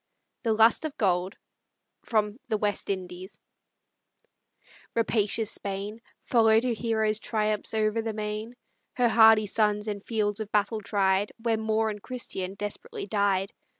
THE LUST OF GOLD From "The West Indies" Rapacious Spain Follow'd her hero's triumphs o'er the main, Her hardy sons in fields of battle tried, Where Moor and Christian desperately died.